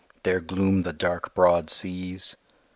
There gloom the dark broad seas.